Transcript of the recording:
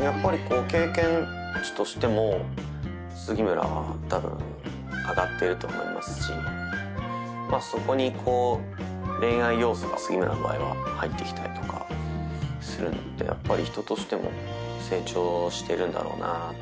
やっぱりこう経験値としても杉村は多分上がってると思いますしまあそこに恋愛要素が杉村の場合は入ってきたりとかするのでやっぱり人としても成長してるんだろうなあと思って。